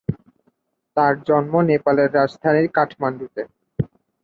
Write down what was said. তার জন্ম নেপালের রাজধানী কাঠমান্ডুতে।